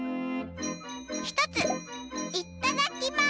ひとついっただきます！